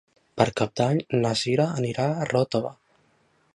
Per Cap d'Any na Cira anirà a Ròtova.